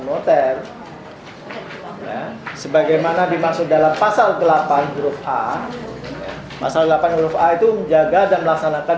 moter sebagaimana dimaksud dalam pasal delapan huruf a masalah delapan huruf a itu menjaga dan melaksanakan